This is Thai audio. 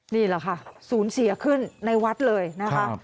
นี่แหละค่ะศูนย์เสียขึ้นในวัดเลยนะคะ